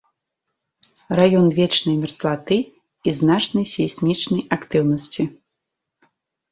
Раён вечнай мерзлаты і значнай сейсмічнай актыўнасці.